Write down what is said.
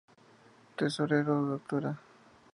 Tesorero: Dra.